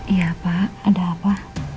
iya pak ada apa